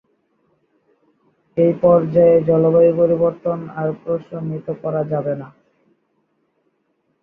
এই পর্যায়ে জলবায়ু পরিবর্তন আর প্রশমিত করা যাবে না।